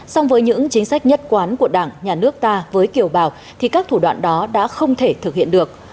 song với những chính sách nhất quán của đảng nhà nước ta với kiều bào thì các thủ đoạn đó đã không thể thực hiện được